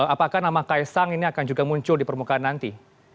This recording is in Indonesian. apakah nama kaisang ini akan juga muncul di permukaan nanti